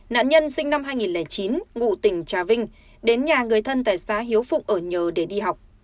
nạn nhân sinh năm hai nghìn chín ngụ tỉnh trà vinh đến nhà người thân tại xá hiếu phụng ở nhờ để đi học